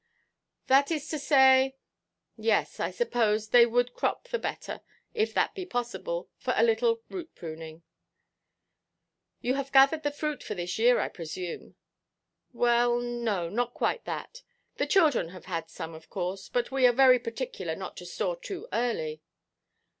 "That is to say—yes, I suppose, they would crop the better, if that be possible, for a little root–pruning." "You have gathered the fruit for this year, I presume?" "Well, no, not quite that. The children have had some, of course. But we are very particular not to store too early."